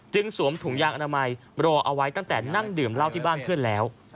สวมถุงยางอนามัยรอเอาไว้ตั้งแต่นั่งดื่มเหล้าที่บ้านเพื่อนแล้ว